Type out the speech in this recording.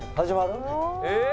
始まる？